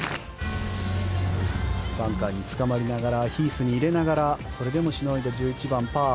バンカーにつかまりながらヒースに入れながらそれでもしのいで１１番、パー。